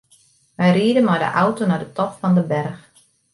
Wy ride mei de auto nei de top fan de berch.